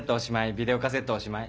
ビデオカセットおしまい。